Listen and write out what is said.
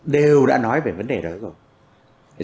đều đã nói về vấn đề đó rồi